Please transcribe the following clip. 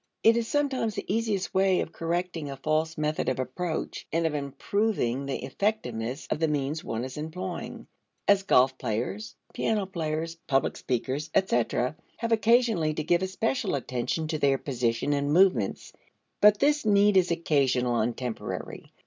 It is sometimes the easiest way of correcting a false method of approach, and of improving the effectiveness of the means one is employing, as golf players, piano players, public speakers, etc., have occasionally to give especial attention to their position and movements. But this need is occasional and temporary.